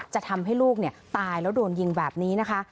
จะทำให้ลูกตายแล้วโดนยิงแบบนี้นะคะ